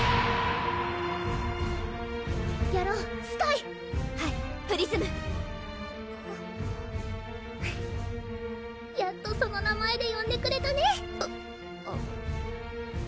やろうスカイはいプリズムやっとその名前でよんでくれたね